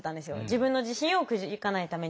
自分の自信をくじかないために。